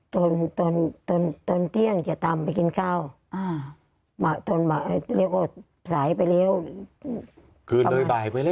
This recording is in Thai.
ตอนตอนเที่ยงจะตามไปกินข้าวอ่ามาตอนบ่ายเรียกว่าสายไปแล้วคืนโดยบ่ายไปแล้ว